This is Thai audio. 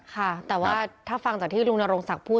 ค่ะแต่ว่าถ้าฟังจากที่ลุงนรงศักดิ์พูด